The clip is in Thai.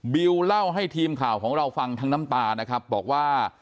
ิวเล่าให้ทีมข่าวของเราฟังทั้งน้ำตานะครับบอกว่า